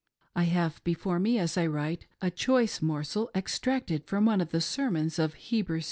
I have before me as I write a choice morsel extracted from one of the sermons of Heber C.